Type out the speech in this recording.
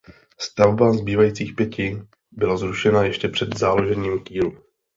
Stavba zbývajících pěti byla zrušena ještě před založením kýlu.